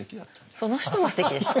その人はすてきでした。